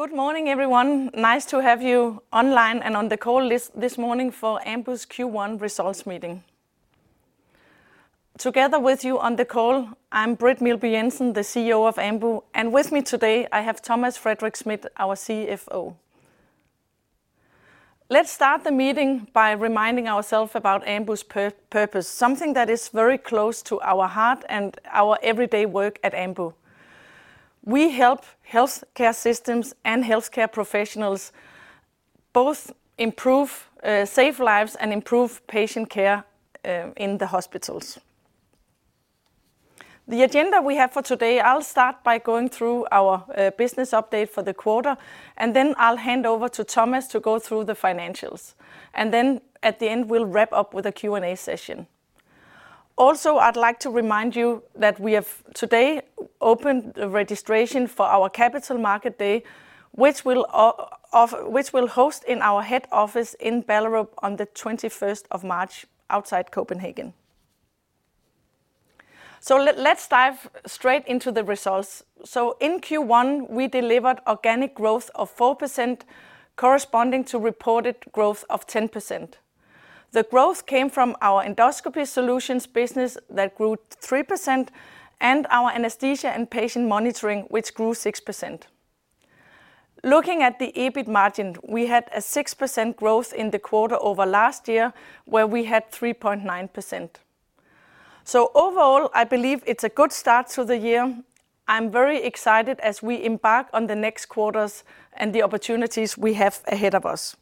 Good morning, everyone. Nice to have you online and on the call this morning for Ambu's Q1 results meeting. Together with you on the call, I'm Britt Meelby Jensen, the CEO of Ambu, and with me today I have Thomas Frederik Schmidt, our CFO. Let's start the meeting by reminding ourselves about Ambu's purpose, something that is very close to our heart and our everyday work at Ambu. We help healthcare systems and healthcare professionals both improve, save lives and improve patient care in the hospitals. The agenda we have for today, I'll start by going through our business update for the quarter, and then I'll hand over to Thomas to go through the financials. At the end, we'll wrap up with a Q&A session. Also, I'd like to remind you that we have today opened a registration for our capital market day, which we'll host in our head office in Ballerup on the 21st of March outside Copenhagen. Let's dive straight into the results. In Q1, we delivered organic growth of 4% corresponding to reported growth of 10%. The growth came from our endoscopy solutions business that grew 3% and our anesthesia and patient monitoring, which grew 6%. Looking at the EBIT margin, we had a 6% growth in the quarter over last year, where we had 3.9%. Overall, I believe it's a good start to the year. I'm very excited as we embark on the next quarters and the opportunities we have ahead of us.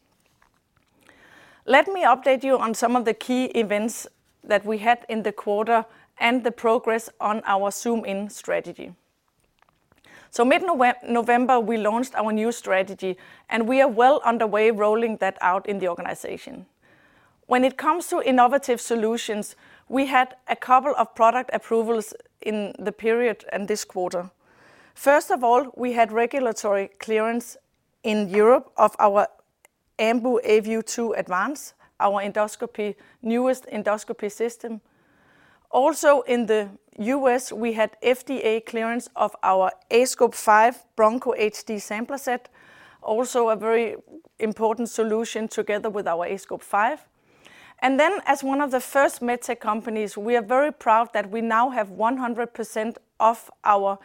Let me update you on some of the key events that we had in the quarter and the progress on our ZOOM IN strategy. Mid-November, we launched our new strategy, and we are well underway rolling that out in the organization. When it comes to innovative solutions, we had a couple of product approvals in the period and this quarter. First of all, we had regulatory clearance in Europe of our Ambu aView 2 Advance, our endoscopy, newest endoscopy system. Also in the U.S., we had FDA clearance of our aScope 5 Broncho HD Sampler Set, also a very important solution together with our aScope 5. As one of the first medtech companies, we are very proud that we now have 100% of our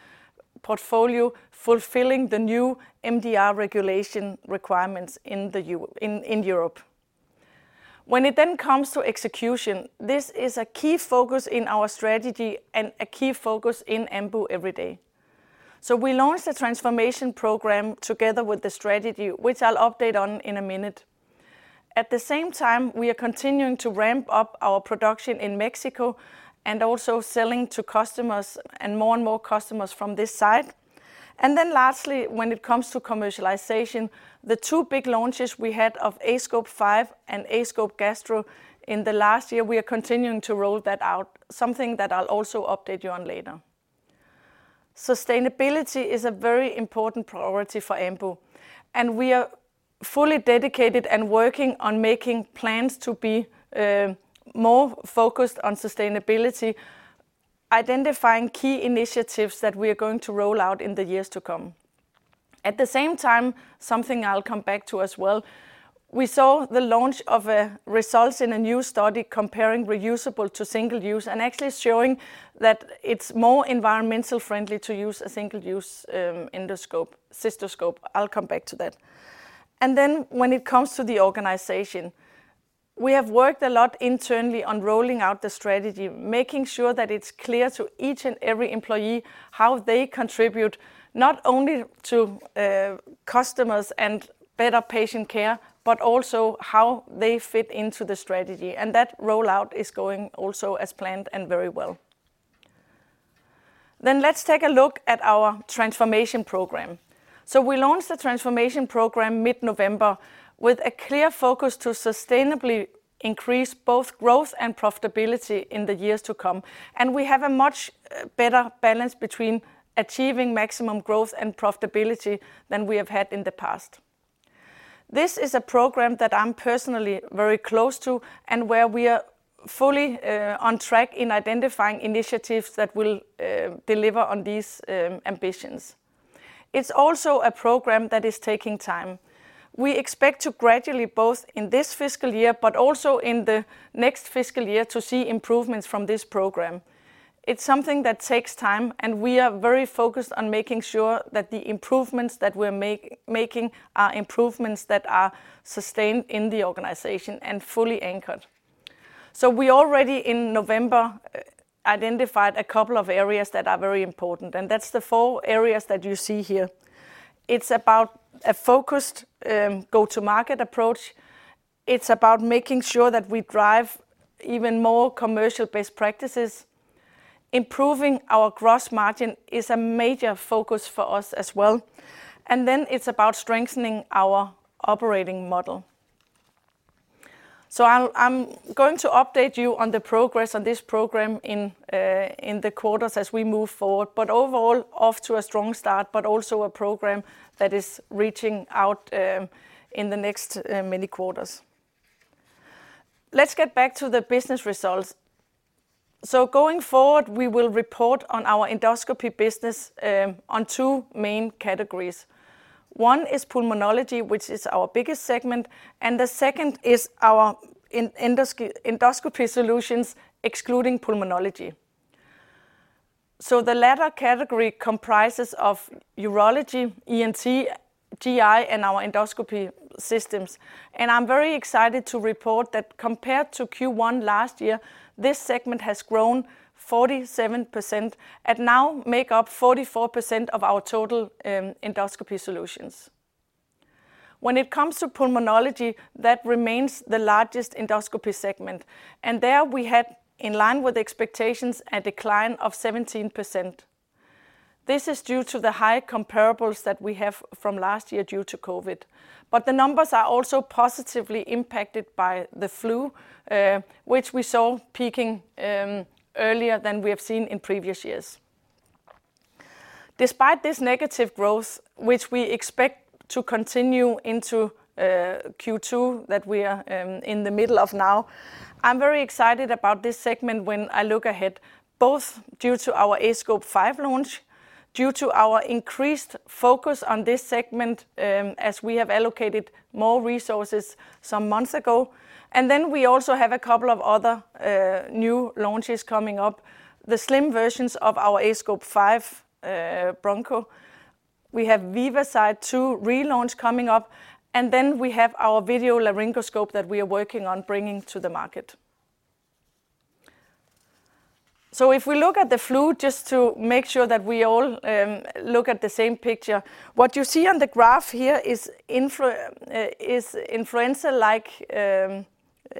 portfolio fulfilling the new MDR regulation requirements in Europe. When it then comes to execution, this is a key focus in our strategy and a key focus in Ambu every day. We launched a transformation program together with the strategy, which I'll update on in a minute. At the same time, we are continuing to ramp up our production in Mexico and also selling to customers and more and more customers from this side. Lastly, when it comes to commercialization, the two big launches we had of aScope 5 and aScope Gastro in the last year, we are continuing to roll that out, something that I'll also update you on later. Sustainability is a very important priority for Ambu, and we are fully dedicated and working on making plans to be more focused on sustainability, identifying key initiatives that we are going to roll out in the years to come. At the same time, something I'll come back to as well, we saw the launch of a results in a new study comparing reusable to single-use and actually showing that it's more environmental friendly to use a single-use endoscope, cystoscope. I'll come back to that. When it comes to the organization, we have worked a lot internally on rolling out the strategy, making sure that it's clear to each and every employee how they contribute not only to customers and better patient care, but also how they fit into the strategy. That rollout is going also as planned and very well. Let's take a look at our transformation program. We launched the transformation program mid-November with a clear focus to sustainably increase both growth and profitability in the years to come, and we have a much better balance between achieving maximum growth and profitability than we have had in the past. This is a program that I'm personally very close to and where we are fully on track in identifying initiatives that will deliver on these ambitions. It's also a program that is taking time. We expect to gradually, both in this fiscal year but also in the next fiscal year, to see improvements from this program. It's something that takes time, and we are very focused on making sure that the improvements that we're making are improvements that are sustained in the organization and fully anchored. We already in November identified a couple of areas that are very important, and that's the four areas that you see here. It's about a focused go-to-market approach. It's about making sure that we drive even more commercial best practices. Improving our gross margin is a major focus for us as well. Then it's about strengthening our operating model. I'm going to update you on the progress on this program in the quarters as we move forward, but overall, off to a strong start, but also a program that is reaching out in the next many quarters. Let's get back to the business results. Going forward, we will report on our endoscopy business on two main categories. One is pulmonology, which is our biggest segment, and the second is our endoscopy solutions excluding pulmonology. The latter category comprises of urology, ENT, GI, and our endoscopy systems. I'm very excited to report that compared to Q1 last year, this segment has grown 47% and now make up 44% of our total endoscopy solutions. When it comes to pulmonology, that remains the largest endoscopy segment, and there we had, in line with expectations, a decline of 17%. This is due to the high comparables that we have from last year due to COVID. The numbers are also positively impacted by the flu, which we saw peaking earlier than we have seen in previous years. Despite this negative growth, which we expect to continue into Q2, that we are in the middle of now, I'm very excited about this segment when I look ahead, both due to our aScope 5 launch, due to our increased focus on this segment, as we have allocated more resources some months ago. We also have a couple of other new launches coming up. The slim versions of our aScope 5 Broncho. We have VivaSight 2 relaunch coming up. We have our video laryngoscope that we are working on bringing to the market. If we look at the flu, just to make sure that we all look at the same picture, what you see on the graph here is influenza-like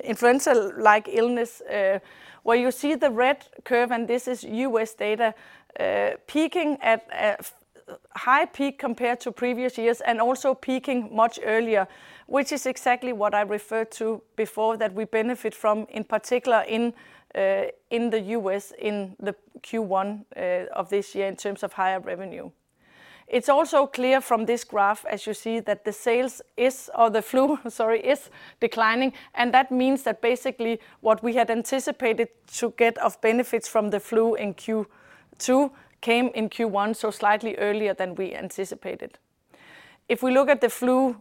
influenza-like illness, where you see the red curve, and this is U.S. data, peaking at a high peak compared to previous years and also peaking much earlier, which is exactly what I referred to before that we benefit from, in particular in the U.S. in the Q1 of this year in terms of higher revenue. It's also clear from this graph, as you see, that the sales is or the flu, sorry, is declining, and that means that basically what we had anticipated to get of benefits from the flu in Q2 came in Q1, so slightly earlier than we anticipated. If we look at the flu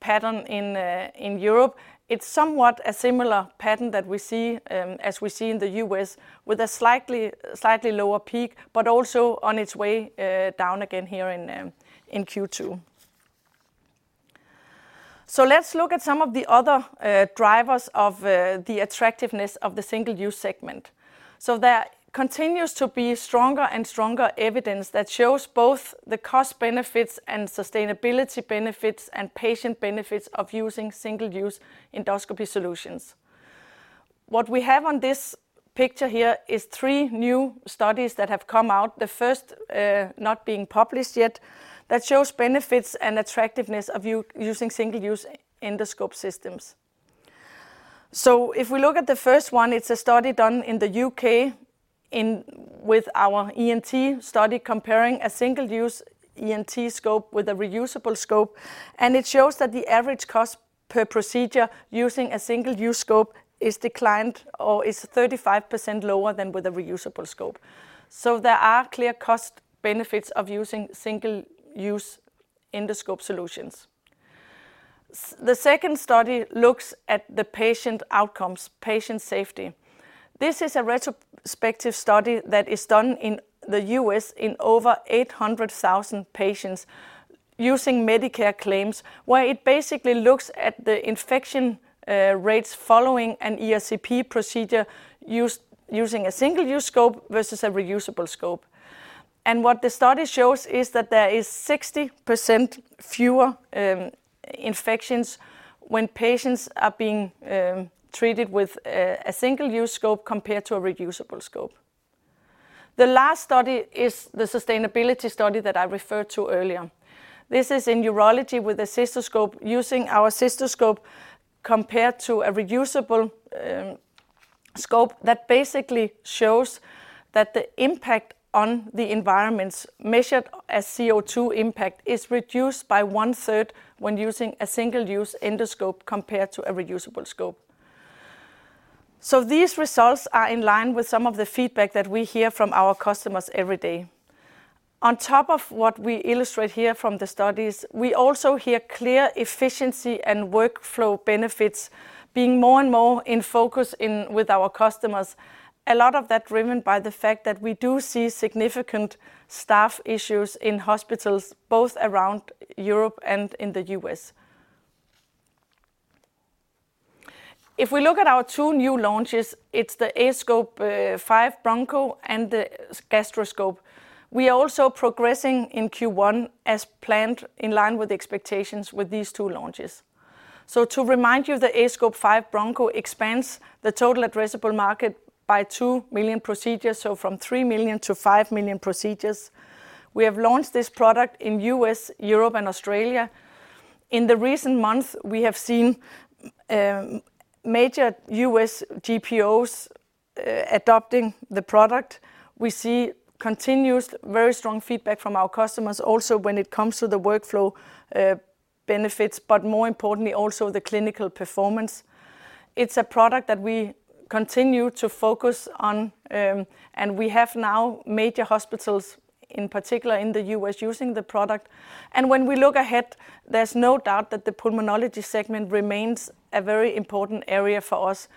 pattern in Europe, it's somewhat a similar pattern that we see as we see in the U.S., with a slightly lower peak, but also on its way down again here in Q2. Let's look at some of the other drivers of the attractiveness of the single-use segment. There continues to be stronger and stronger evidence that shows both the cost benefits and sustainability benefits and patient benefits of using single-use endoscopy solutions. What we have on this picture here is three new studies that have come out, the first not being published yet, that shows benefits and attractiveness of using single-use endoscope systems. If we look at the first one, it's a study done in the U.K. in with our ENT study comparing a single-use ENT scope with a reusable scope, it shows that the average cost per procedure using a single-use scope is declined or is 35% lower than with a reusable scope. There are clear cost benefits of using single-use endoscope solutions. The second study looks at the patient outcomes, patient safety. This is a retrospective study that is done in the U.S. in over 800,000 patients using Medicare claims, where it basically looks at the infection rates following an ERCP procedure using a single-use scope versus a reusable scope. What the study shows is that there is 60% fewer infections when patients are being treated with a single-use scope compared to a reusable scope. The last study is the sustainability study that I referred to earlier. This is in urology with a cystoscope using our cystoscope compared to a reusable scope that basically shows that the impact on the environments measured as CO2 impact is reduced by one-third when using a single-use endoscope compared to a reusable scope. These results are in line with some of the feedback that we hear from our customers every day. On top of what we illustrate here from the studies, we also hear clear efficiency and workflow benefits being more and more in focus in with our customers. A lot of that driven by the fact that we do see significant staff issues in hospitals, both around Europe and in the U.S. We look at our two new launches, it's the aScope 5 Broncho and the gastroscope. We are also progressing in Q1 as planned in line with expectations with these two launches. To remind you, the aScope 5 Broncho expands the total addressable market by 2 million procedures, from 3 million-5 million procedures. We have launched this product in U.S., Europe, and Australia. In the recent months, we have seen major U.S. GPOs adopting the product, we see continuous, very strong feedback from our customers also when it comes to the workflow benefits, more importantly, also the clinical performance. It's a product that we continue to focus on, we have now major hospitals, in particular in the U.S., using the product. When we look ahead, there's no doubt that the pulmonology segment remains a very important area for us.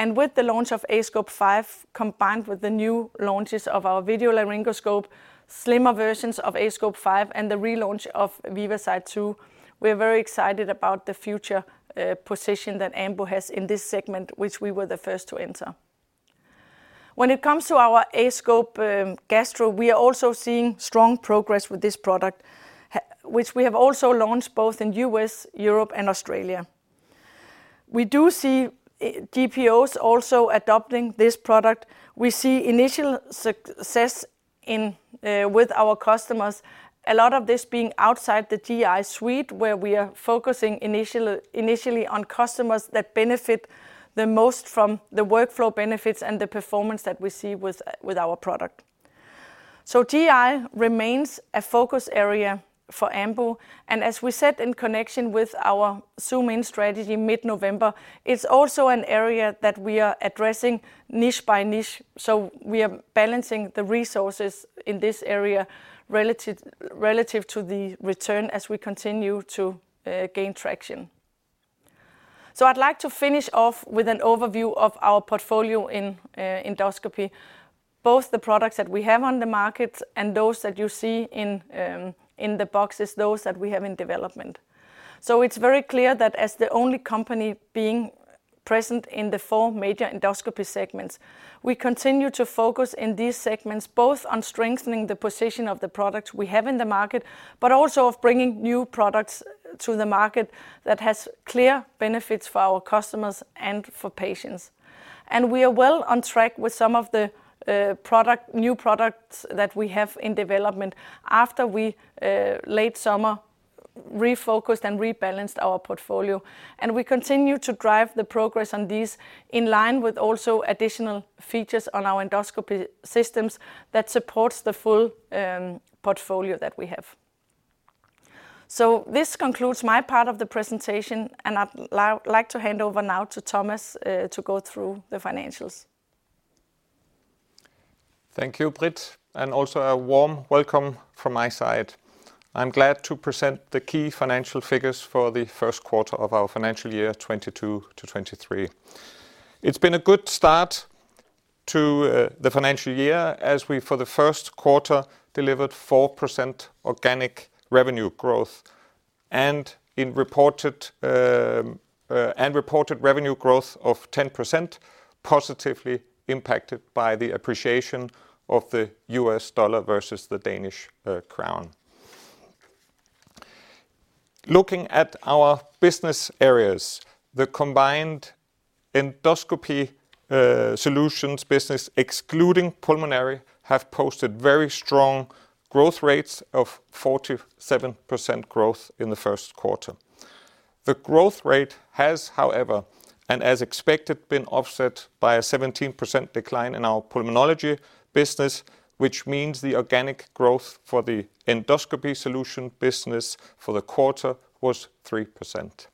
With the launch of aScope 5, combined with the new launches of our video laryngoscope, slimmer versions of aScope 5, and the relaunch of VivaSight 2, we are very excited about the future position that Ambu has in this segment, which we were the first to enter. When it comes to our aScope Gastro, we are also seeing strong progress with this product, which we have also launched both in U.S., Europe and Australia. We do see DPOs also adopting this product. We see initial success with our customers. A lot of this being outside the GI suite, where we are focusing initially on customers that benefit the most from the workflow benefits and the performance that we see with our product. GI remains a focus area for Ambu, and as we said in connection with our ZOOM IN strategy mid-November, it's also an area that we are addressing niche by niche, so we are balancing the resources in this area relative to the return as we continue to gain traction. I'd like to finish off with an overview of our portfolio in endoscopy, both the products that we have on the market and those that you see in the boxes, those that we have in development. It's very clear that as the only company being present in the four major endoscopy segments, we continue to focus in these segments, both on strengthening the position of the products we have in the market, but also of bringing new products to the market that has clear benefits for our customers and for patients. We are well on track with some of the new products that we have in development after we late summer refocused and rebalanced our portfolio. We continue to drive the progress on these in line with also additional features on our endoscopy systems that supports the full portfolio that we have. This concludes my part of the presentation, and I'd like to hand over now to Thomas to go through the financials. Thank you, Britt, also a warm welcome from my side. I'm glad to present the key financial figures for the first quarter of our financial year 2022-2023. It's been a good start to the financial year as we for the first quarter delivered 4% organic revenue growth, and reported revenue growth of 10% positively impacted by the appreciation of the U.S. dollar versus the Danish crown. Looking at our business areas, the combined endoscopy solutions business, excluding pulmonary, have posted very strong growth rates of 47% growth in the first quarter. The growth rate has, however, and as expected, been offset by a 17% decline in our pulmonology business, which means the organic growth for the endoscopy solution business for the quarter was 3%.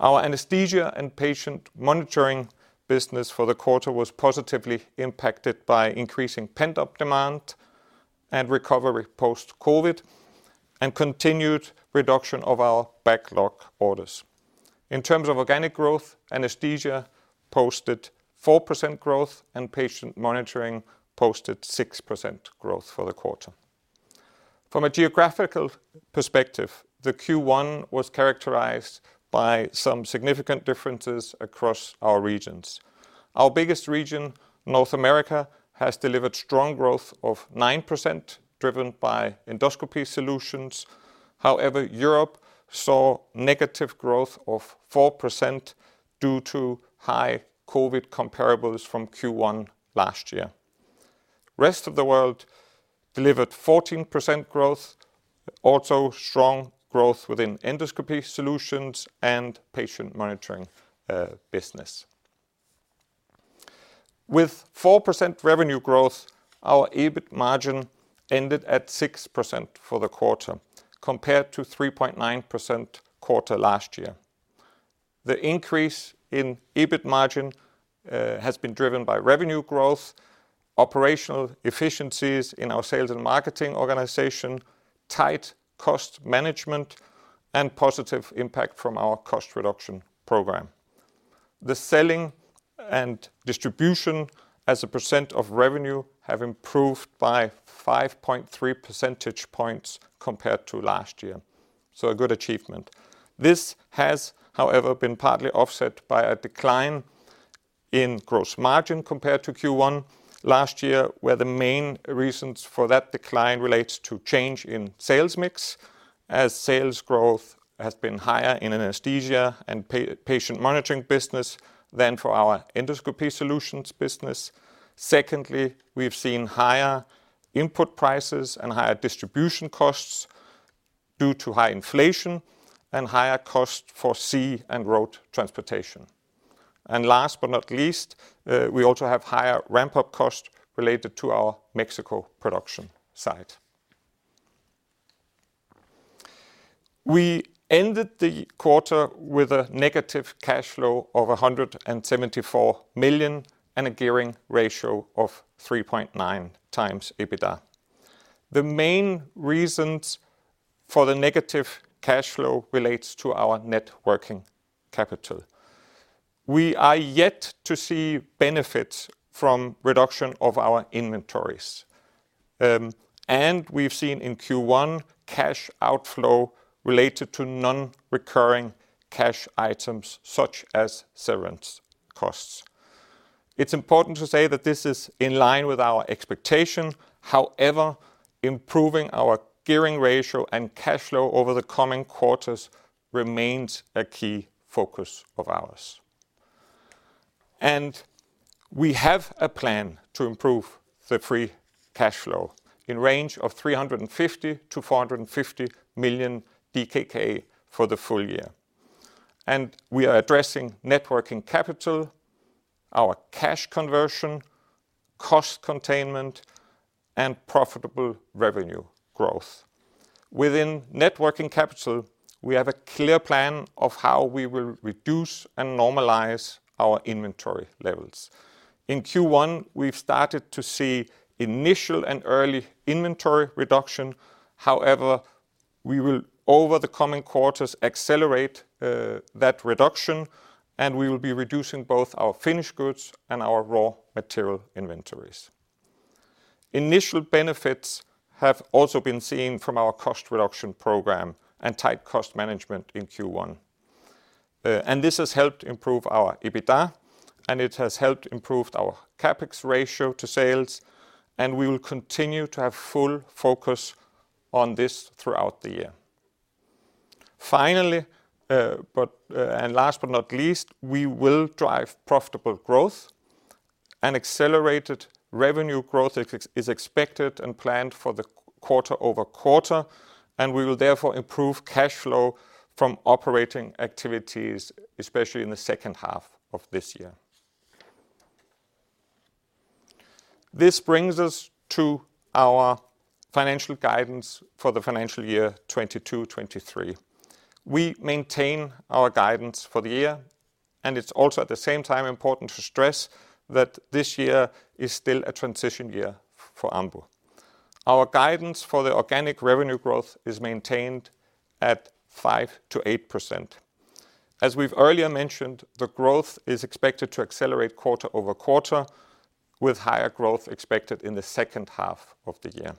Our anesthesia and patient monitoring business for the quarter was positively impacted by increasing pent-up demand and recovery post-COVID and continued reduction of our backlog orders. In terms of organic growth, anesthesia posted 4% growth, and patient monitoring posted 6% growth for the quarter. From a geographical perspective, the Q1 was characterized by some significant differences across our regions. Our biggest region, North America, has delivered strong growth of 9% driven by endoscopy solutions. Europe saw negative growth of 4% due to high COVID comparables from Q1 last year. Rest of the world delivered 14% growth, also strong growth within endoscopy solutions and patient monitoring business. With 4% revenue growth, our EBIT margin ended at 6% for the quarter compared to 3.9% quarter last year. The increase in EBIT margin has been driven by revenue growth, operational efficiencies in our sales and marketing organization, tight cost management, and positive impact from our cost reduction program. The selling and distribution as a percent of revenue have improved by 5.3 percentage points compared to last year. A good achievement. This has, however, been partly offset by a decline in gross margin compared to Q1 last year, where the main reasons for that decline relates to change in sales mix as sales growth has been higher in anesthesia and patient monitoring business than for our endoscopy solutions business. Secondly, we've seen higher input prices and higher distribution costs due to high inflation and higher cost for sea and road transportation. Last but not least, we also have higher ramp-up cost related to our Mexico production site. We ended the quarter with a negative cash flow of 174 million and a gearing ratio of 3.9x EBITDA. The main reasons for the negative cash flow relates to our net working capital. We are yet to see benefits from reduction of our inventories. We've seen in Q1 cash outflow related to non-recurring cash items such as severance costs. It's important to say that this is in line with our expectation. Improving our gearing ratio and cash flow over the coming quarters remains a key focus of ours. We have a plan to improve the free cash flow in range of 350 million-450 million DKK for the full year. We are addressing net working capital, our cash conversion, cost containment, and profitable revenue growth. Within net working capital, we have a clear plan of how we will reduce and normalize our inventory levels. In Q1, we've started to see initial and early inventory reduction. However, we will over the coming quarters accelerate that reduction, and we will be reducing both our finished goods and our raw material inventories. Initial benefits have also been seen from our cost reduction program and tight cost management in Q1. This has helped improve our EBITDA, and it has helped improved our CapEx ratio to sales, and we will continue to have full focus on this throughout the year. Finally, last but not least, we will drive profitable growth and accelerated revenue growth is expected and planned for the quarter-over-quarter, and we will therefore improve cash flow from operating activities, especially in the second half of this year. This brings us to our financial guidance for the financial year 2022, 2023. We maintain our guidance for the year. It's also at the same time important to stress that this year is still a transition year for Ambu. Our guidance for the organic revenue growth is maintained at 5%-8%. As we've earlier mentioned, the growth is expected to accelerate quarter-over-quarter, with higher growth expected in the second half of the year.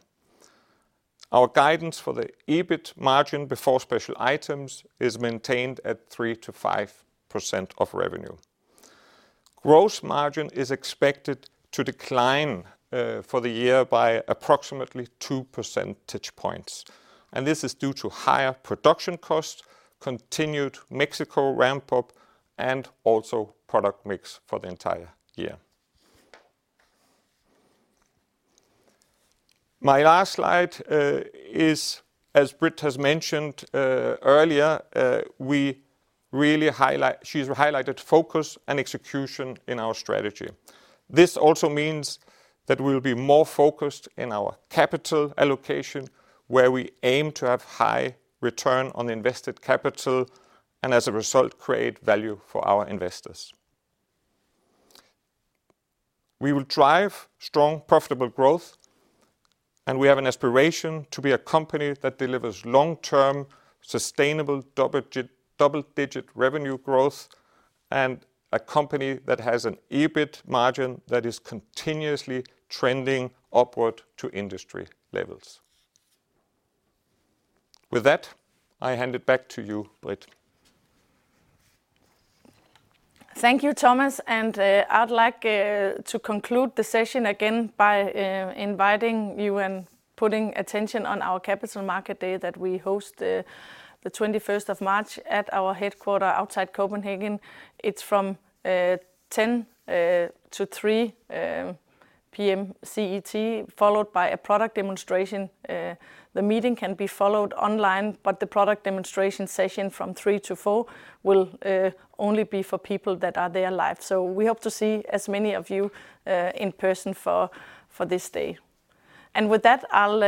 Our guidance for the EBIT margin before special items is maintained at 3%-5% of revenue. Gross margin is expected to decline for the year by approximately 2 percentage points. This is due to higher production costs, continued Mexico ramp-up, and also product mix for the entire year. My last slide is, as Britt has mentioned earlier, we really highlight. She's highlighted focus and execution in our strategy. This also means that we'll be more focused in our capital allocation, where we aim to have high return on invested capital and, as a result, create value for our investors. We will drive strong, profitable growth, and we have an aspiration to be a company that delivers long-term, sustainable double-digit revenue growth and a company that has an EBIT margin that is continuously trending upward to industry levels. With that, I hand it back to you, Britt. Thank you, Thomas. I'd like to conclude the session again by inviting you and putting attention on our Capital Market Day that we host the 21st of March at our headquarters outside Copenhagen. It's from 10:00 A.M.-3:00 P.M. CET, followed by a product demonstration. The meeting can be followed online, but the product demonstration session from 3:00 P.M.-4:00 P.M. will only be for people that are there live. We hope to see as many of you in person for this day. With that, I'll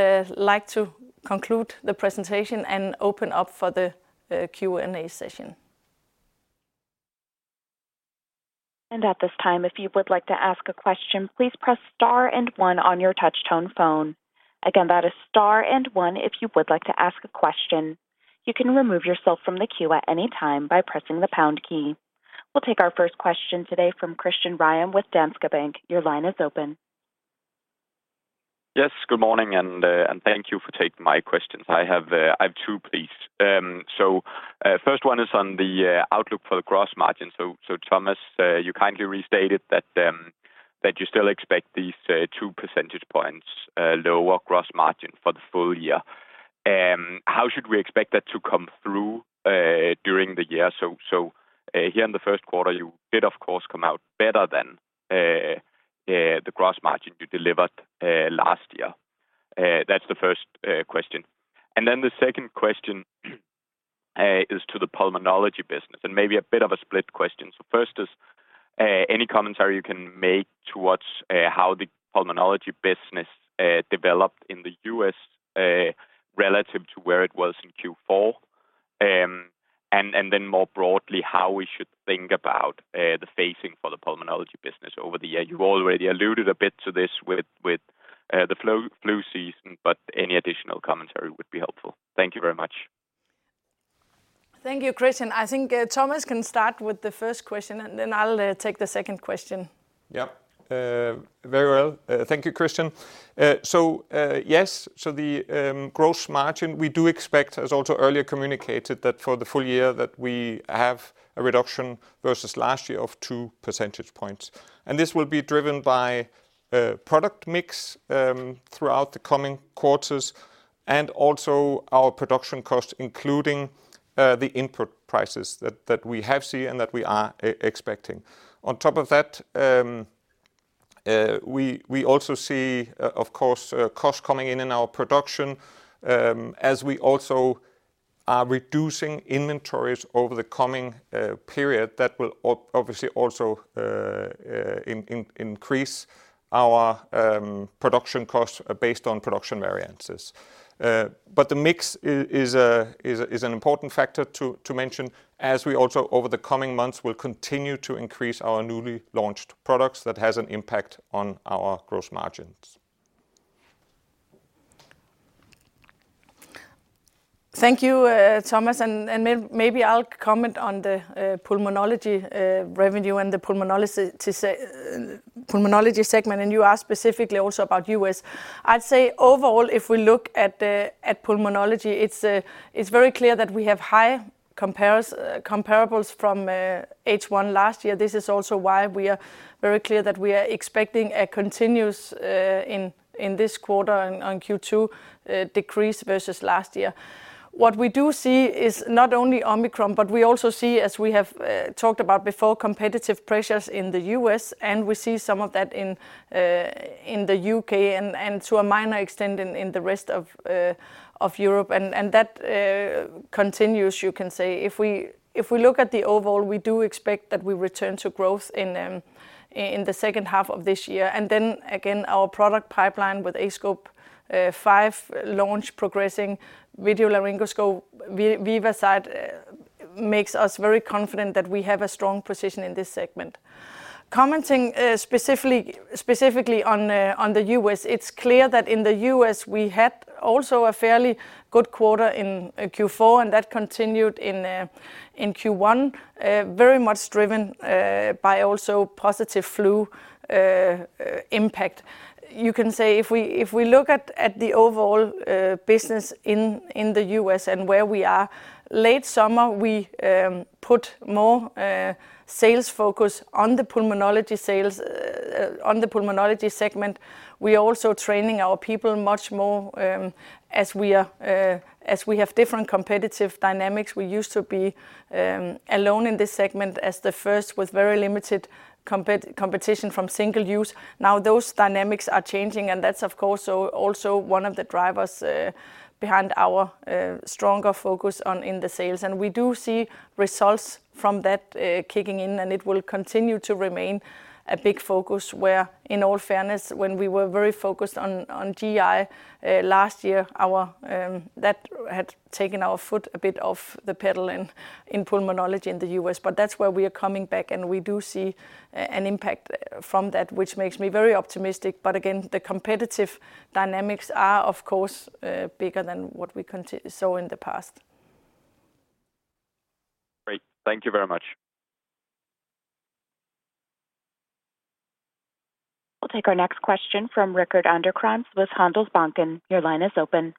like to conclude the presentation and open up for the Q&A session. At this time, if you would like to ask a question, please press star and one on your touchtone phone. Again, that is star and one if you would like to ask a question. You can remove yourself from the queue at any time by pressing the pound key. We'll take our first question today from Christian Ryom with Danske Bank. Your line is open. Yes, good morning, and thank you for taking my questions. I have two, please. First one is on the outlook for the gross margin. Thomas, you kindly restated that you still expect these 2 percentage points lower gross margin for the full year. How should we expect that to come through during the year? Here in the first quarter, you did of course come out better than the gross margin you delivered last year. That's the first question. The second question is to the pulmonology business, and maybe a bit of a split question. First is any commentary you can make towards how the pulmonology business developed in the U.S. relative to where it was in Q4. More broadly, how we should think about the phasing for the pulmonology business over the year. You already alluded a bit to this with the flu season, but any additional commentary would be helpful. Thank you very much. Thank you, Christian. I think, Thomas can start with the first question, and then I'll take the second question. Yeah, very well. Thank you, Christian. Yes. The gross margin we do expect, as also earlier communicated, that for the full year that we have a reduction versus last year of 2 percentage points. This will be driven by product mix throughout the coming quarters, and also our production costs, including the input prices that we have seen and that we are expecting. On top of that, we also see, of course, costs coming in in our production, as we also are reducing inventories over the coming period. That will obviously also increase our production costs based on production variances. The mix is an important factor to mention as we also, over the coming months, will continue to increase our newly launched products that has an impact on our gross margins. Thank you, Thomas, and maybe I'll comment on the pulmonology revenue and the pulmonology segment, and you asked specifically also about U.S. I'd say overall, if we look at the pulmonology, it's very clear that we have high comparables from H1 last year. This is also why we are very clear that we are expecting a continuous in this quarter on Q2 decrease versus last year. What we do see is not only Omicron, but we also see, as we have talked about before, competitive pressures in the U.S. and we see some of that in the U.K. and to a minor extent in the rest of Europe. That continues, you can say. If we look at the overall, we do expect that we return to growth in the second half of this year. Then again, our product pipeline with aScope 5 launch progressing video laryngoscope, VivaSight, makes us very confident that we have a strong position in this segment. Commenting specifically on the U.S., it's clear that in the U.S. we had also a fairly good quarter in Q4. That continued in Q1, very much driven by also positive flu impact. You can say if we look at the overall business in the U.S. and where we are, late summer, we put more sales focus on the pulmonology segment. We are also training our people much more, as we have different competitive dynamics. We used to be alone in this segment as the first with very limited competition from single use. Now those dynamics are changing. That's of course also one of the drivers behind our stronger focus on in the sales. We do see results from that kicking in, and it will continue to remain a big focus where in all fairness, when we were very focused on GI last year, our that had taken our foot a bit off the pedal in pulmonology in the U.S. That's where we are coming back, and we do see an impact from that, which makes me very optimistic. Again, the competitive dynamics are of course, bigger than what we saw in the past. Great. Thank you very much. We'll take our next question from Rickard Anderkrans with Handelsbanken. Your line is open.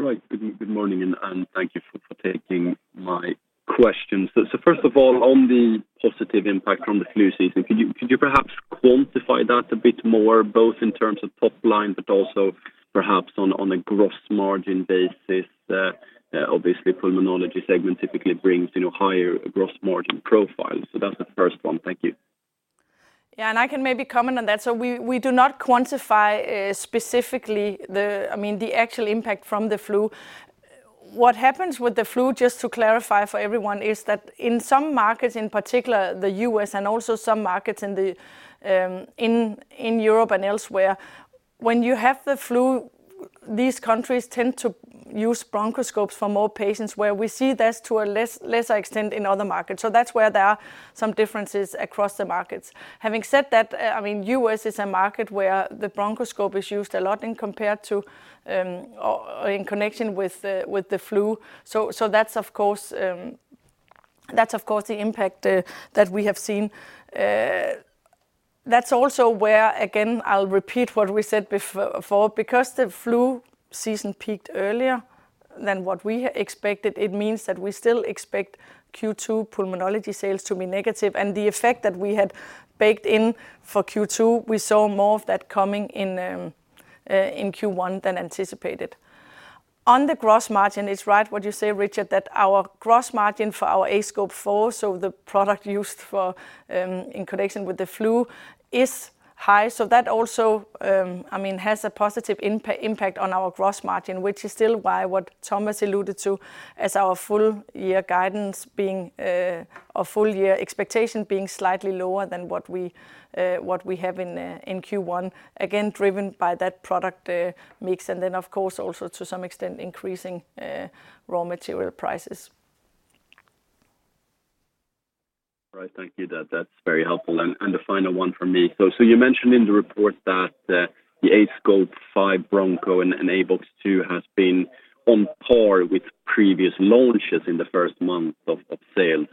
Right. Good morning, and thank you for taking my questions. First of all, on the positive impact from the flu season, could you perhaps quantify that a bit more, both in terms of top line, but also perhaps on a gross margin basis? Obviously, pulmonology segment typically brings, you know, higher gross margin profiles. That's the first one. Thank you. Yeah, and I can maybe comment on that. We do not quantify, I mean, the actual impact from the flu. What happens with the flu, just to clarify for everyone, is that in some markets, in particular the U.S. and also some markets in Europe and elsewhere, when you have the flu, these countries tend to use bronchoscopes for more patients where we see this to a lesser extent in other markets. That's where there are some differences across the markets. Having said that, I mean, U.S. is a market where the bronchoscope is used a lot in compared to, or in connection with the flu. That's of course the impact that we have seen. That's also where, again, I'll repeat what we said before, because the flu season peaked earlier than what we expected, it means that we still expect Q2 pulmonology sales to be negative. The effect that we had baked in for Q2, we saw more of that coming in in Q1 than anticipated. On the gross margin, it's right what you say, Richard, that our gross margin for our aScope 4, so the product used for, in connection with the flu is high, so that also, I mean has a positive impact on our gross margin, which is still why what Thomas alluded to as our full year guidance being, our full year expectation being slightly lower than what we, what we have in Q1. Driven by that product mix, and then of course also to some extent increasing raw material prices. All right. Thank you. That's very helpful. The final one from me. You mentioned in the report that the aScope 5 Broncho and aBox 2 has been on par with previous launches in the first month of sale.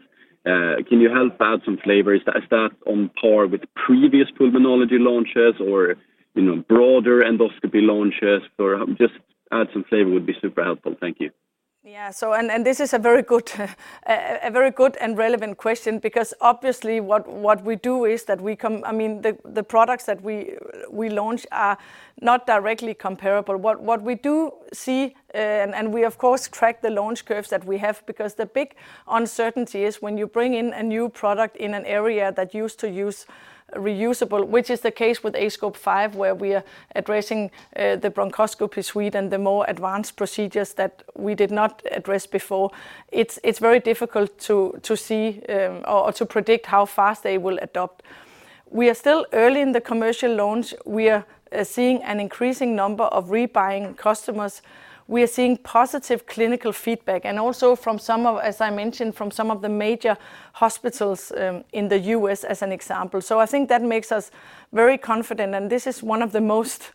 Can you help add some flavor? Is that on par with previous pulmonology launches or, you know, broader endoscopy launches or just add some flavor would be super helpful. Thank you. This is a very good, a very good and relevant question because obviously what we do is that I mean, the products that we launch are not directly comparable. What we do see, and we of course track the launch curves that we have because the big uncertainty is when you bring in a new product in an area that used to use reusable, which is the case with aScope 5, where we are addressing the bronchoscopy suite and the more advanced procedures that we did not address before. It's very difficult to see or to predict how fast they will adopt. We are still early in the commercial launch. We are seeing an increasing number of rebuying customers. We are seeing positive clinical feedback and also from some of, as I mentioned, from some of the major hospitals, in the U.S. as an example. I think that makes us very confident, and this is one of the most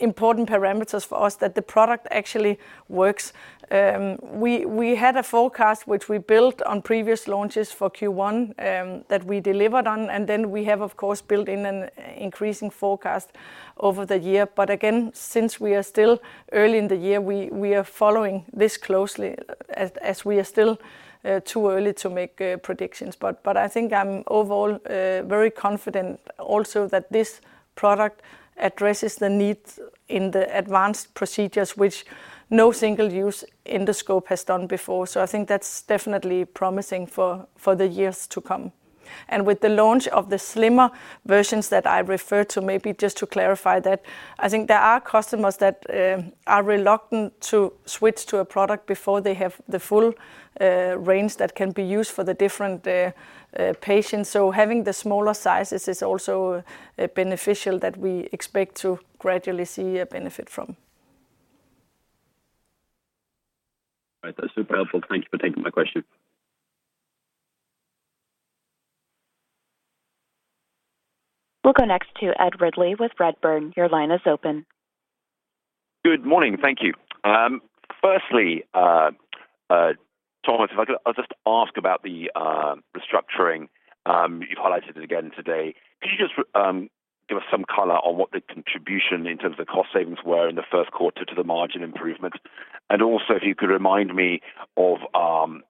important parameters for us that the product actually works. We, we had a forecast which we built on previous launches for Q1, that we delivered on, and then we have of course built in an increasing forecast over the year. Again, since we are still early in the year, we are following this closely as we are still too early to make predictions. But I think I'm overall very confident also that this product addresses the needs in the advanced procedures which no single-use endoscope has done before. I think that's definitely promising for the years to come. With the launch of the slimmer versions that I referred to, maybe just to clarify that, I think there are customers that are reluctant to switch to a product before they have the full range that can be used for the different patients. Having the smaller sizes is also beneficial that we expect to gradually see a benefit from. All right. That's super helpful. Thank you for taking my question. We'll go next to Ed Ridley-Day with Redburn. Your line is open. Good morning. Thank you. Firstly, Thomas, if I could, I'll just ask about the structuring, you've highlighted it again today. Could you just give us some color on what the contribution in terms of the cost savings were in the first quarter to the margin improvement? Also, if you could remind me of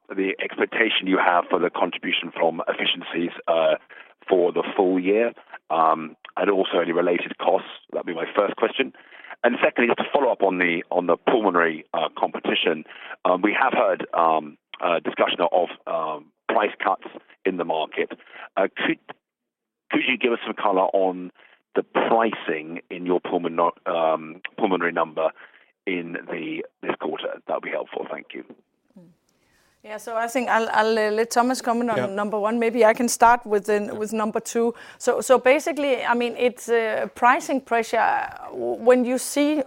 the expectation you have for the contribution from efficiencies for the full year, and also any related costs. That'd be my first question. Secondly, just to follow up on the pulmonary competition, we have heard a discussion of price cuts in the market. Could you give us some color on the pricing in your pulmonary number in this quarter? That'll be helpful. Thank you. Yeah. I think I'll let Thomas comment. Yeah. On number one. Maybe I can start with number one. Basically, I mean, it's a pricing pressure. When you see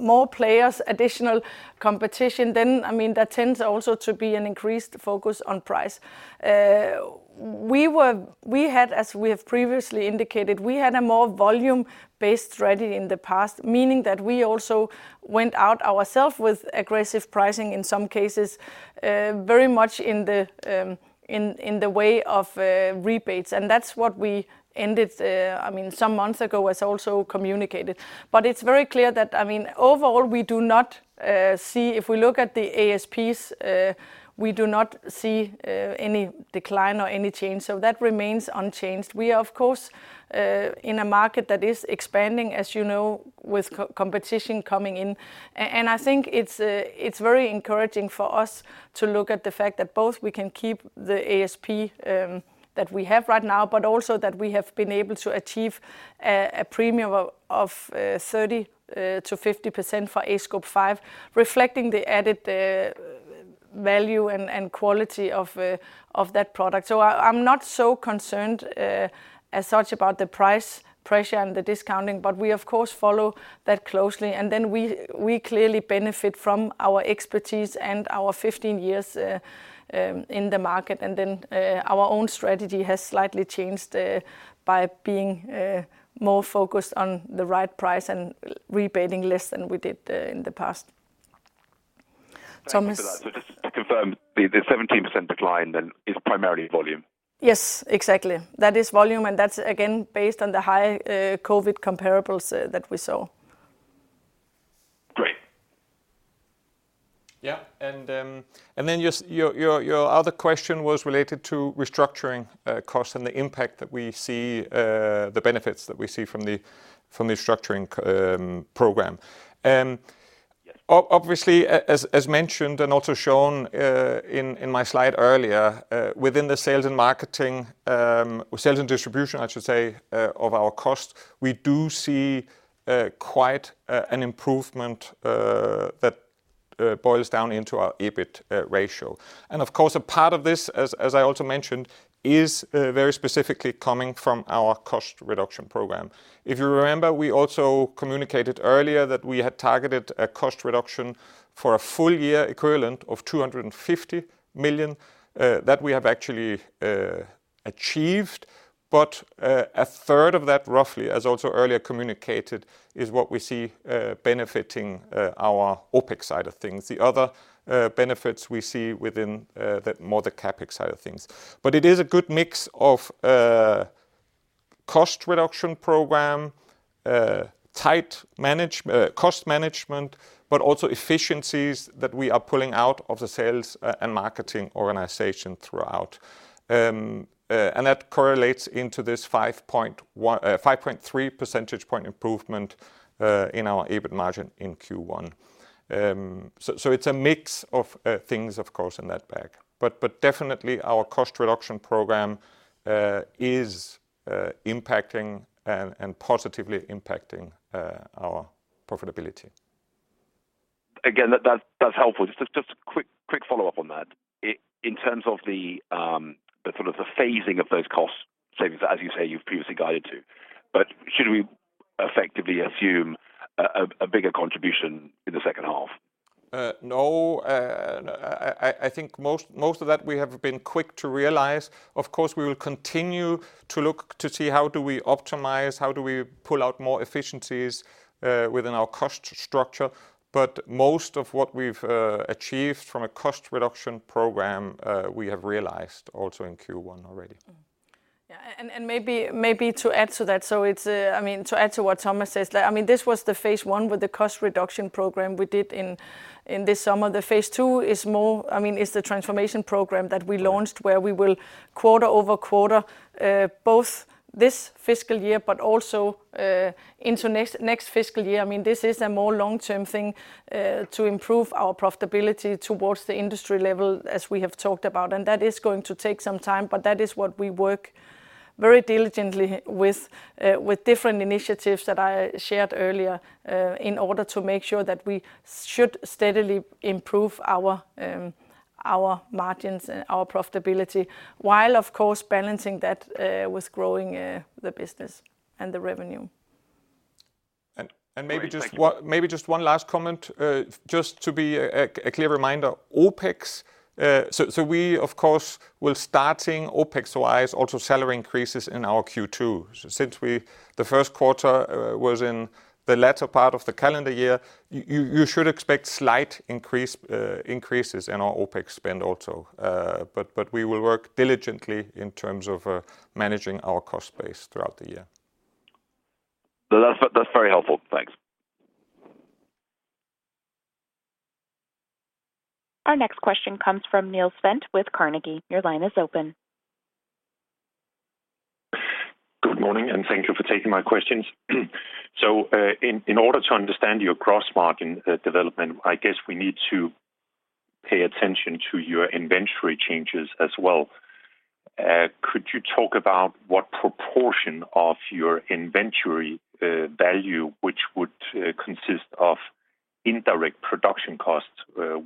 more players, additional competition, I mean, that tends also to be an increased focus on price. We had, as we have previously indicated, we had a more volume-based strategy in the past, meaning that we also went out ourself with aggressive pricing in some cases, very much in the way of rebates, and that's what we ended, I mean, some months ago, as also communicated. It's very clear that, I mean, overall, If we look at the ASPs, we do not see any decline or any change, so that remains unchanged. We are, of course, in a market that is expanding, as you know, with co-competition coming in. I think it's very encouraging for us to look at the fact that both we can keep the ASP that we have right now, but also that we have been able to achieve a premium of 30%-50% for aScope 5, reflecting the added value and quality of that product. I'm not so concerned as such about the price pressure and the discounting, but we of course follow that closely. Then we clearly benefit from our expertise and our 15 years in the market. Our own strategy has slightly changed by being more focused on the right price and rebating less than we did in the past. Thomas- Thank you for that. Just to confirm, the 17% decline is primarily volume? Yes. Exactly. That is volume, and that's again based on the high, COVID comparables, that we saw. Yeah. Then just your, your other question was related to restructuring costs and the impact that we see, the benefits that we see from the structuring program. Obviously, as mentioned and also shown in my slide earlier, within the sales and marketing, sales and distribution, I should say, of our cost, we do see quite an improvement that boils down into our EBIT ratio. Of course a part of this as I also mentioned, is very specifically coming from our cost reduction program. If you remember, we also communicated earlier that we had targeted a cost reduction for a full year equivalent of 250 million that we have actually achieved. A third of that, roughly, as also earlier communicated, is what we see benefiting our OpEx side of things. The other benefits we see within the more the CapEx side of things. It is a good mix of cost reduction program, tight cost management, but also efficiencies that we are pulling out of the sales and marketing organization throughout. And that correlates into this 5.3 percentage point improvement in our EBIT margin in Q1. So it's a mix of things, of course, in that bag. Definitely our cost reduction program is impacting and positively impacting our profitability. Again, that's helpful. Just a quick follow-up on that. In terms of the sort of the phasing of those costs, savings, as you say you've previously guided to, but should we effectively assume a bigger contribution in the second half? No. No, I think most of that we have been quick to realize. Of course, we will continue to look to see how do we optimize, how do we pull out more efficiencies within our cost structure. But most of what we've achieved from a cost reduction program, we have realized also in Q1 already. Yeah. I mean, to add to what Thomas says. Like, I mean, this was the phase I with the cost reduction program we did in this summer. The phase II is more, I mean, is the transformation program that we launched where we will quarter-over-quarter, both this fiscal year but also into next fiscal year. I mean, this is a more long-term thing to improve our profitability towards the industry level as we have talked about. That is going to take some time, but that is what we work very diligently with different initiatives that I shared earlier, in order to make sure that we should steadily improve our margins and our profitability, while of course balancing that, with growing, the business and the revenue. Great. Thank you. Maybe just one last comment, just to be a clear reminder. OpEx, we of course will starting OpEx-wise also salary increases in our Q2. Since we, the first quarter, was in the latter part of the calendar year, you should expect slight increases in our OpEx spend also. We will work diligently in terms of managing our cost base throughout the year. That's very helpful. Thanks. Our next question comes from Niels Leth with Carnegie. Your line is open. Good morning, thank you for taking my questions. In order to understand your cross-margin development, I guess we need to pay attention to your inventory changes as well. Could you talk about what proportion of your inventory value, which would consist of indirect production costs,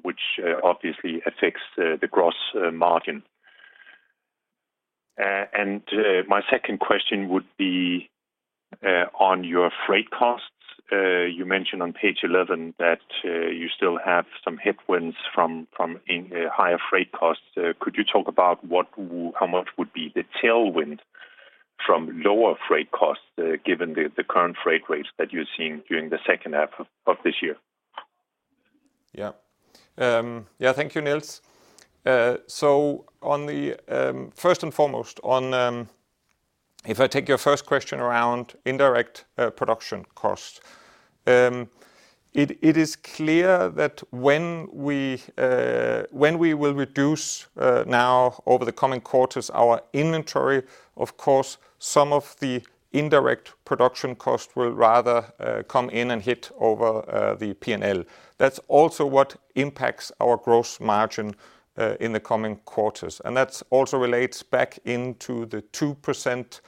which obviously affects the gross margin? My second question would be on your freight costs. You mentioned on page 11 that you still have some headwinds from higher freight costs. Could you talk about how much would be the tailwind from lower freight costs, given the current freight rates that you're seeing during the second half of this year? Thank you, Niels. On the first and foremost, on, if I take your first question around indirect production cost, it is clear that when we will reduce now over the coming quarters our inventory, of course, some of the indirect production cost will rather come in and hit over the P&L. That's also what impacts our gross margin in the coming quarters. That's also relates back into the 2%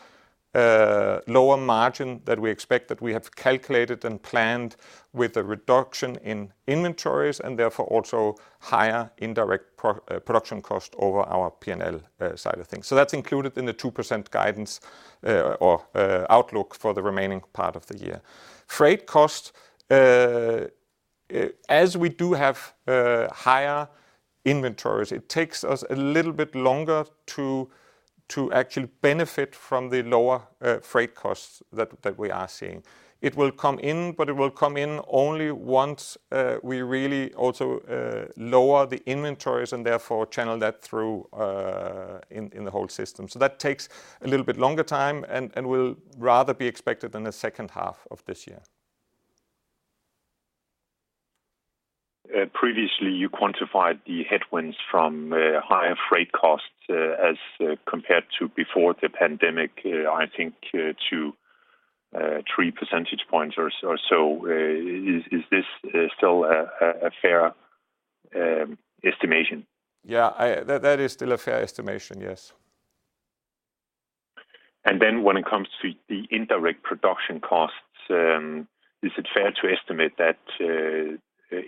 lower margin that we expect, that we have calculated and planned with the reduction in inventories, and therefore also higher indirect production cost over our P&L side of things. That's included in the 2% guidance or outlook for the remaining part of the year. lie, I'm a little bit nervous about this new project." "Why? What's got you so on edge?" "Well, it's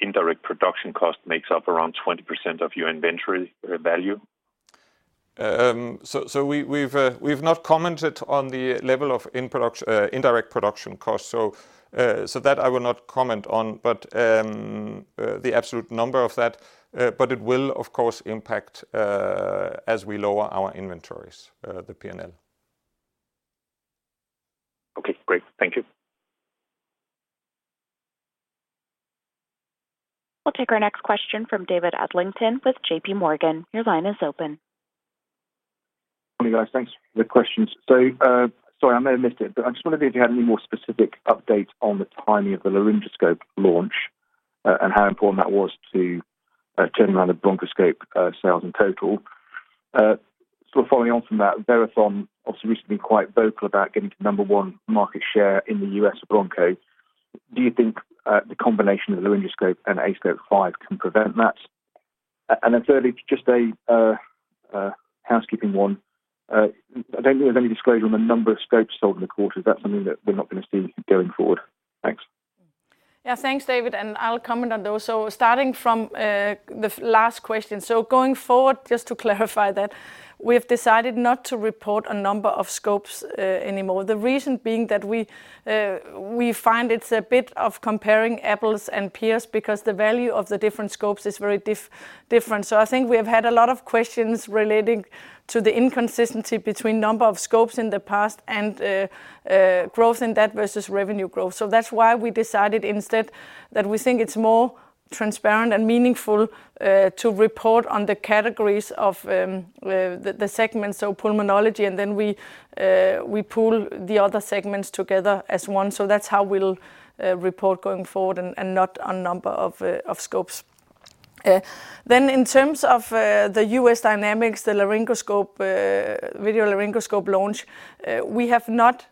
indirect production cost makes up around 20% of your inventory value? We've not commented on the level of indirect production costs, so that I will not comment on, but the absolute number of that. It will of course impact as we lower our inventories, the P&L. Okay, great. Thank you. We'll take our next question from David Adlington with JPMorgan. Your line is open. Morning, guys. Thanks for the questions. Sorry, I may have missed it, but I just wondered if you had any more specific updates on the timing of the laryngoscope launch and how important that was to turn around the bronchoscope sales in total. Sort of following on from that, Verathon also recently quite vocal about getting to number one market share in the U.S. Bronco. Do you think the combination of the laryngoscope and aScope 5 can prevent that? Thirdly, just a housekeeping one. I don't think there's any disclosure on the number of scopes sold in the quarter. Is that something that we're not gonna see going forward? Thanks. Thanks, David, and I'll comment on those. Starting from the last question. Going forward, just to clarify that, we have decided not to report a number of scopes anymore. The reason being that we find it's a bit of comparing apples and pears because the value of the different scopes is very different. I think we have had a lot of questions relating to the inconsistency between number of scopes in the past and growth in that versus revenue growth. That's why we decided instead that we think it's more transparent and meaningful to report on the categories of the segments, so pulmonology and then we pool the other segments together as one. That's how we'll report going forward and not on number of scopes. In terms of the U.S. dynamics, the laryngoscope, video laryngoscope scope launch, we have not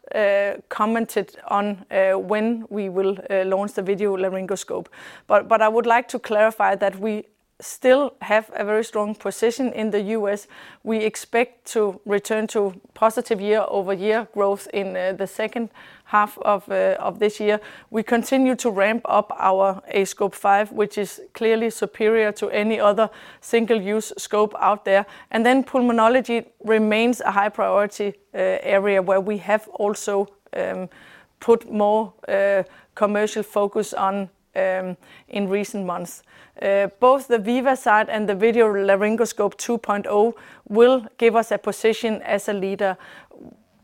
commented on when we will launch the video laryngoscope. I would like to clarify that we still have a very strong position in the U.S. We expect to return to positive year-over-year growth in the second half of this year. We continue to ramp up our aScope 5, which is clearly superior to any other single-use scope out there. Pulmonology remains a high priority area where we have also put more commercial focus on in recent months. The VivaSight and the video laryngoscope 2.0 will give us a position as a leader.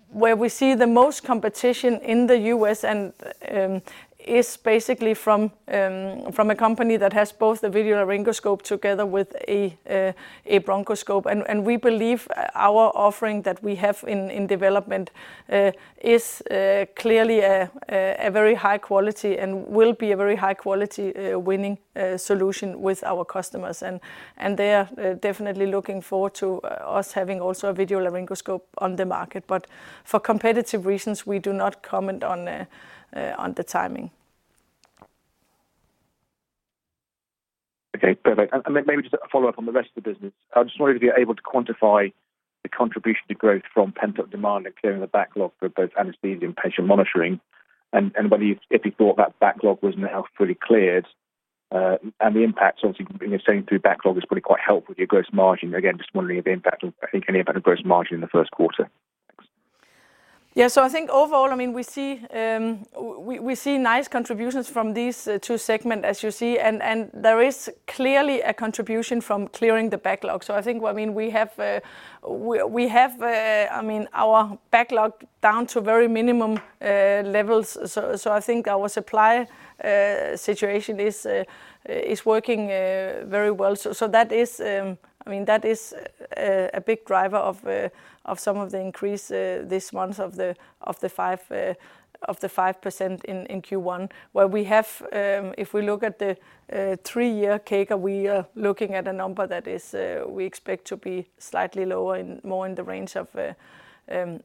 Where we see the most competition in the U.S. and is basically from a company that has both the video laryngoscope together with a bronchoscope. We believe our offering that we have in development is clearly a very high quality and will be a very high quality winning solution with our customers. They are definitely looking forward to us having also a video laryngoscope on the market. For competitive reasons, we do not comment on the timing. Okay, perfect. Maybe just a follow-up on the rest of the business. I just wondered if you're able to quantify the contribution to growth from pent-up demand and clearing the backlog for both anesthesia and patient monitoring and whether if you thought that backlog was now fully cleared, and the impact sort of saying through backlog has probably quite helped with your gross margin. Again, just wondering if the impact of any impact of gross margin in the first quarter. Thanks. Yeah. I think overall, I mean, we see nice contributions from these two segments, as you see, and there is clearly a contribution from clearing the backlog. I think, I mean, we have, I mean, our backlog down to very minimum levels. I think our supply situation is working very well. That is, I mean, that is a big driver of some of the increase this month of the 5% in Q1. We have, if we look at the three-year cake, we are looking at a number that is we expect to be slightly lower more in the range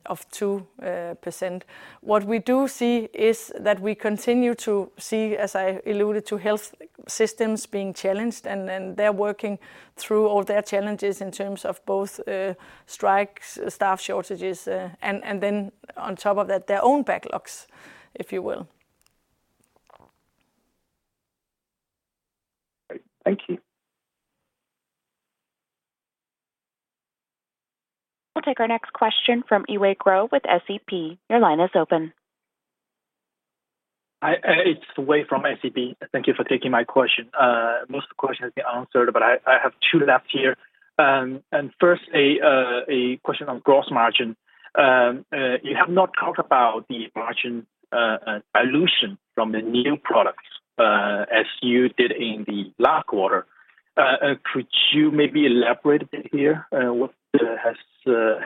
of 2%. What we do see is that we continue to see, as I alluded to, health systems being challenged, and then they're working through all their challenges in terms of both, strikes, staff shortages, and then on top of that, their own backlogs, if you will. Great. Thank you. We'll take our next question from Yiwei Zhou with SEB. Your line is open. It's Yiwei from SEB. Thank you for taking my question. Most of the question has been answered, but I have two left here. First a question on gross margin. You have not talked about the margin dilution from the new products as you did in the last quarter. Could you maybe elaborate a bit here what has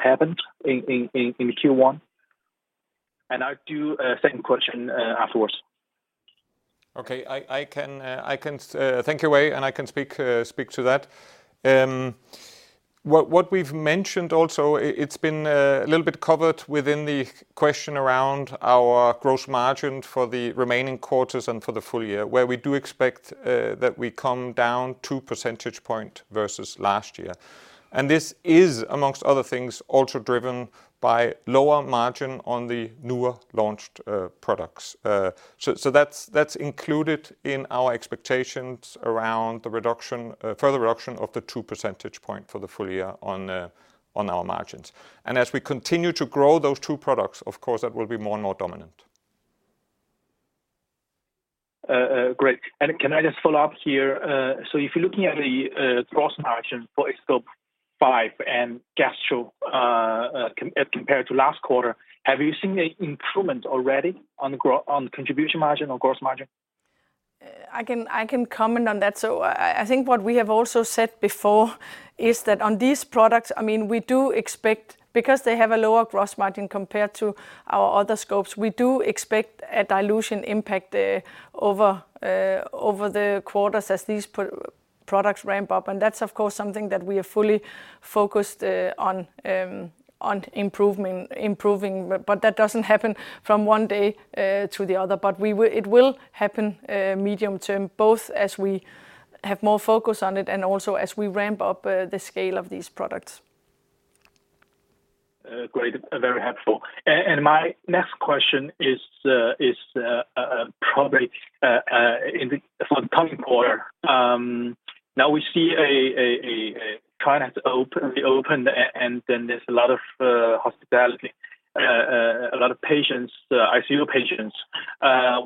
happened in Q1? I do a second question, afterwards. Okay. I can thank you Wei, I can speak to that. What we've mentioned also, it's been a little bit covered within the question around our gross margin for the remaining quarters and for the full year, where we do expect that we come down 2 percentage point versus last year. This is, amongst other things, also driven by lower margin on the newer launched products. That's included in our expectations around the reduction, further reduction of the 2 percentage point for the full year on our margins. As we continue to grow those two products, of course that will be more and more dominant. Great. Can I just follow up here? If you're looking at the gross margin for aScope 5 and Gastro, compared to last quarter, have you seen an improvement already on contribution margin or gross margin? I can comment on that. I think what we have also said before is that on these products, I mean, we do expect. Because they have a lower gross margin compared to our other scopes, we do expect a dilution impact over the quarters as these products ramp up. That's, of course, something that we are fully focused on improving. That doesn't happen from one day to the other. It will happen medium term, both as we have more focus on it and also as we ramp up the scale of these products. Great. Very helpful. My next question is probably in the, for the coming quarter. Now we see a client has opened, reopened, then there's a lot of hospitality, a lot of patients, ICU patients.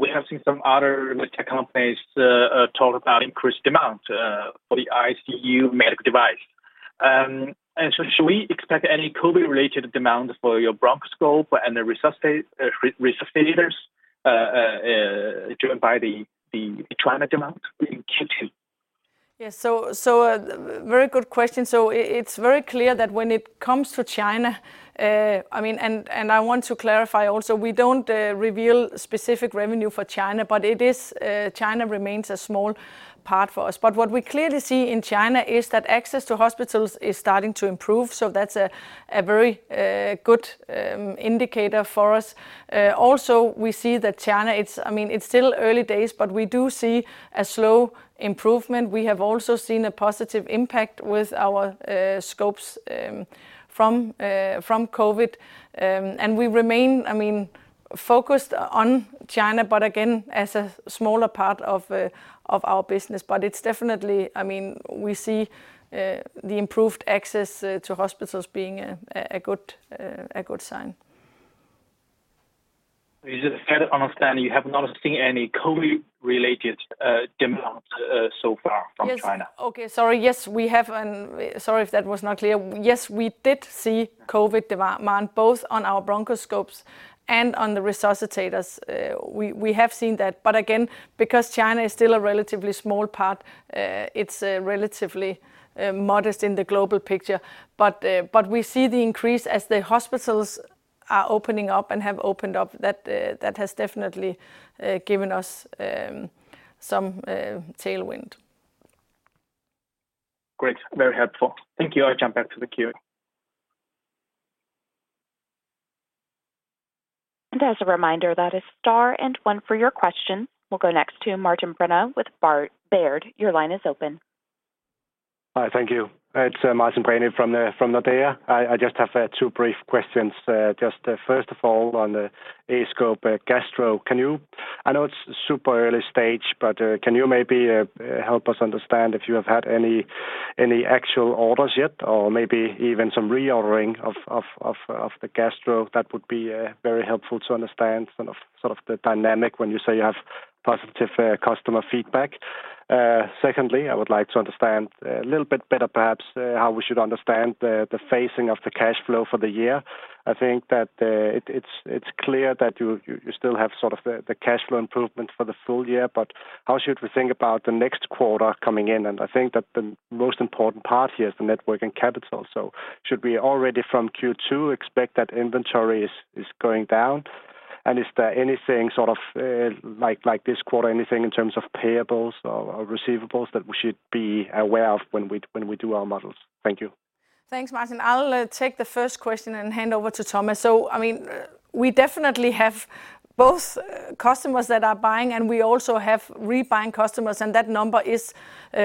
We have seen some other med tech companies talk about increased demand for the ICU medical device. Should we expect any COVID related demand for your bronchoscope and the resuscitators driven by the China demand in Q2? Very good question. It's very clear that when it comes to China, I mean, and I want to clarify also, we don't reveal specific revenue for China, but it is, China remains a small part for us. What we clearly see in China is that access to hospitals is starting to improve. That's a very good indicator for us. We see that China, it's, I mean it's still early days, but we do see a slow improvement. We have also seen a positive impact with our scopes from from COVID. We remain, I mean, focused on China, but again, as a smaller part of our business. It's definitely, I mean, we see the improved access to hospitals being a good sign. Just to clarify understanding, you have not seen any COVID related demand so far from China? Yes. Okay. Sorry, yes, we have. Sorry if that was not clear. Yes, we did see COVID demand both on our bronchoscope and on the resuscitators. We, we have seen that. Again, because China is still a relatively small part, it's relatively modest in the global picture. We see the increase as the hospitals are opening up and have opened up. That has definitely given us some tailwind. Great. Very helpful. Thank you. I jump back to the queue. As a reminder, that is star and one for your question. We'll go next to Martin Brenøe with Nordea. Your line is open. Hi. Thank you. It's Martin Brenøe from the Nordea. I just have two brief questions. Just first of all on the aScope Gastro, I know it's super early stage, but, can you maybe, help us understand if you have had any actual orders yet or maybe even some reordering of the aScope Gastro? That would be very helpful to understand sort of the dynamic when you say you have positive customer feedback. Secondly, I would like to understand a little bit better perhaps how we should understand the phasing of the cash flow for the year. I think that it's clear that you still have sort of the cash flow improvements for the full year. How should we think about the next quarter coming in? I think that the most important part here is the network and capital. Should we already from Q2 expect that inventory is going down? Is there anything sort of, like this quarter, anything in terms of payables or receivables that we should be aware of when we do our models? Thank you. Thanks, Martin. I'll take the first question and hand over to Thomas. I mean, we definitely have both customers that are buying and we also have rebuying customers, and that number is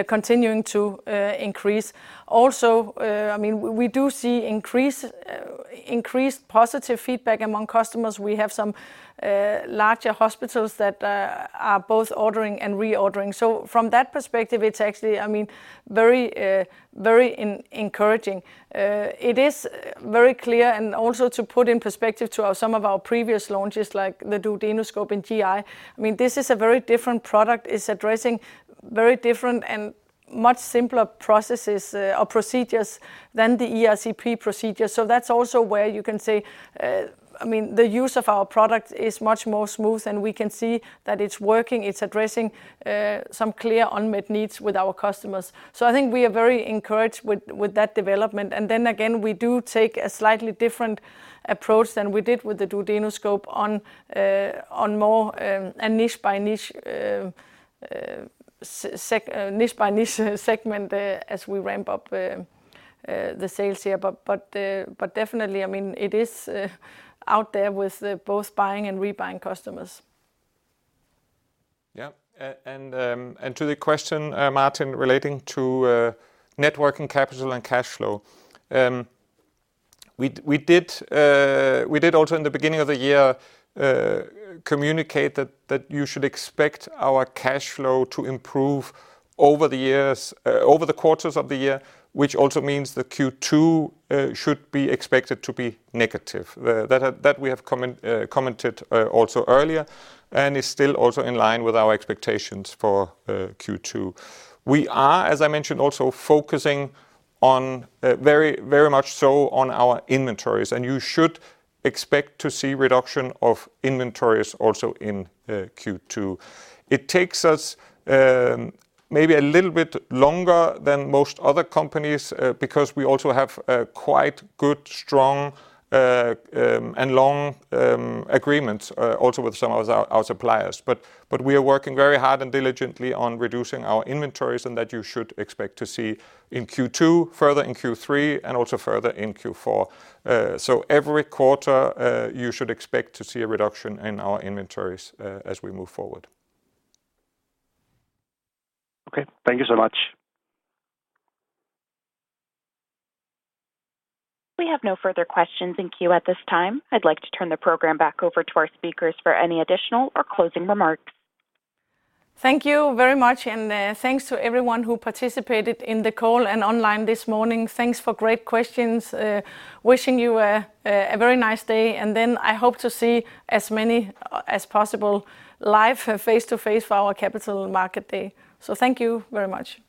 continuing to increase. Also, I mean, we do see increased positive feedback among customers. We have some larger hospitals that are both ordering and reordering. From that perspective it's actually, I mean, very encouraging. It is very clear and also to put in perspective to our, some of our previous launches like the duodenoscope in GI, I mean, this is a very different product. It's addressing very different Much simpler processes or procedures than the ERCP procedure. That's also where you can say, I mean, the use of our product is much more smooth, and we can see that it's working, it's addressing some clear unmet needs with our customers. I think we are very encouraged with that development. Then again, we do take a slightly different approach than we did with the duodenoscope on more a niche by niche segment as we ramp up the sales here. Definitely, I mean, it is out there with both buying and rebuying customers. Yeah. To the question, Martin, relating to net working capital and cash flow. We did also in the beginning of the year communicate that you should expect our cash flow to improve over the years, over the quarters of the year, which also means that Q2 should be expected to be negative. That we have commented also earlier and is still also in line with our expectations for Q2. We are, as I mentioned, also focusing on very, very much so on our inventories, and you should expect to see reduction of inventories also in Q2. It takes us maybe a little bit longer than most other companies because we also have a quite good, strong, and long agreements also with some of our suppliers. We are working very hard and diligently on reducing our inventories and that you should expect to see in Q2, further in Q3, and also further in Q4. Every quarter, you should expect to see a reduction in our inventories as we move forward. Okay. Thank you so much. We have no further questions in queue at this time. I'd like to turn the program back over to our speakers for any additional or closing remarks. Thank you very much. Thanks to everyone who participated in the call and online this morning. Thanks for great questions. Wishing you a very nice day. I hope to see as many as possible live face-to-face for our capital market day. Thank you very much.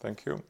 Thank you.